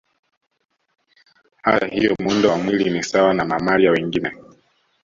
Hata hivyo muundo wa mwili ni sawa na mamalia wengine